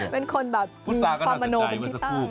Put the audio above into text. เป็นคนแบบมีความมโนเป็นที่ใต้